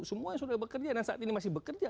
semua yang sudah bekerja dan saat ini masih bekerja